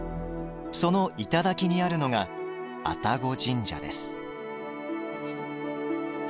その頂にあるのが愛宕神社です。